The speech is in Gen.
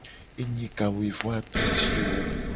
Enyi kawuivoato ti wo.